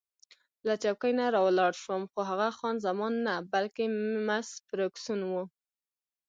له چوکۍ نه راولاړ شوم، خو هغه خان زمان نه، بلکې مس فرګوسن وه.